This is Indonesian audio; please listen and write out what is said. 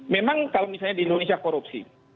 memang kalau misalnya di indonesia korupsi